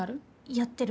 やってる。